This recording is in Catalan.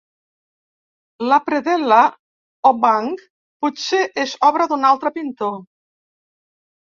La predel·la o banc potser és obra d'un altre pintor.